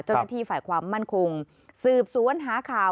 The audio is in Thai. เจ้าหน้าที่ฝ่ายความมั่นคงสืบสวนหาข่าว